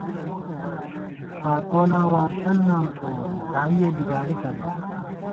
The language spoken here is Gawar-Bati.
فاکولاں وارشل نام تھووون، دائیَہ لِگالی تمېک